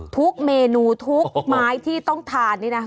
ทุกเมนูทุกไม้ที่ต้องทานนี่นะคะ